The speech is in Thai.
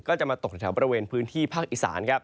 ก็จะมาตกแถวบริเวณพื้นที่ภาคอีสานครับ